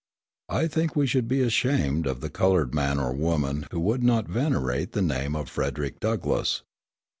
I think we should be ashamed of the coloured man or woman who would not venerate the name of Frederick Douglass.